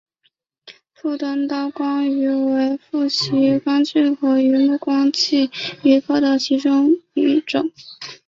腹灯刀光鱼为辐鳍鱼纲巨口鱼目光器鱼科的其中一种。